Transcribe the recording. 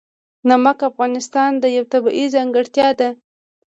نمک د افغانستان یوه طبیعي ځانګړتیا ده.